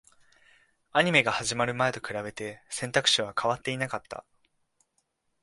アニメが始まる前と比べて、選択肢は変わっていなかった